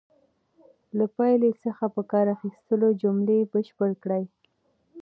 له پایلې څخه په کار اخیستلو جملې بشپړې کړئ.